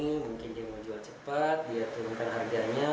mungkin dia mau jual cepat dia turunkan harganya